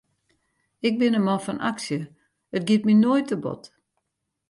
Ik bin in man fan aksje, it giet my noait te bot.